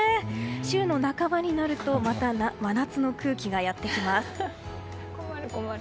週の半ばになるとまた真夏の空気がやってきます。